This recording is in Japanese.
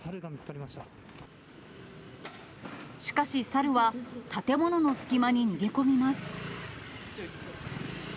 しかし、猿は建物の隙間に逃げ込みます。